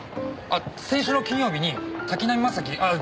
先週の金曜日に滝浪正輝ああ